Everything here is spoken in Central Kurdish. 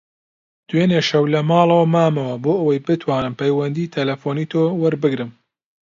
دوێنێ شەو لە ماڵەوە مامەوە بۆ ئەوەی بتوانم پەیوەندیی تەلەفۆنیی تۆ وەربگرم.